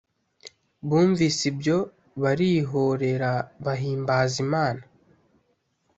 bumvise ibyo barihorera bahimbaza imana